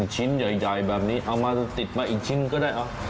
ชิ้นใหญ่แบบนี้เอามาติดมาอีกชิ้นก็ได้เอา